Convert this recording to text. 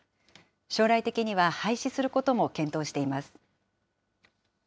将来的には廃止することも検討しています。